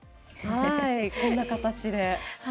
こんな形で。